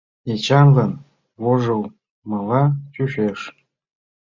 Эчанлан вожылмыла чучеш.